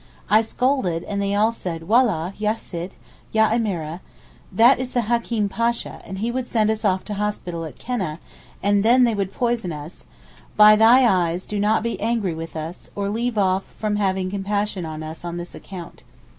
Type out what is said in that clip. I scolded, and they all said, 'Wallah, ya Sitt, ya Emeereh; that is the Hakeem Pasha, and he would send us off to hospital at Keneh, and then they would poison us; by thy eyes do not be angry with us, or leave off from having compassion on us on this account.